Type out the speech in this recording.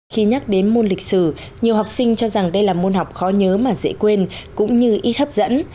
khi nhắc đến môn lịch sử nhiều học sinh cho rằng đây là môn học khó nhớ mà dễ quên cũng như ít hấp dẫn